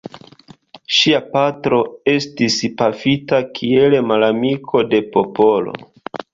Ŝia patro estis pafita kiel «malamiko de popolo».